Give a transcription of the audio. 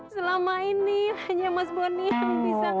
seumuran dia desemanyan banyak yang nangisin